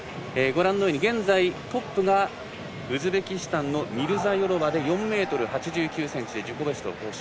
現在、トップがウズベキスタンのミルザヨロワで４ｍ８９ｃｍで自己ベストを更新。